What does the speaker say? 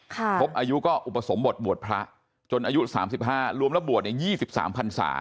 ครบอายุก็อุปสมบทบวชพระจนอายุ๓๕รวมแล้วบวชอยี่สิบสามพันศา